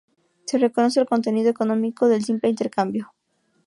Se reconoce el contenido económico del simple intercambio.